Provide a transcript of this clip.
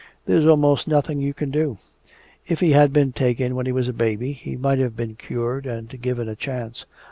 "There's almost nothing you can do. If he had been taken when he was a baby, he might have been cured and given a chance.